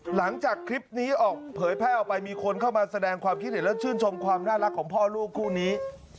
หลังจากคลิปนี้ออกเผยแพร่ออกไปมีคนเข้ามาแสดงความคิดเห็นและชื่นชมความน่ารักของพ่อลูกคู่นี้